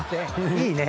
いいね。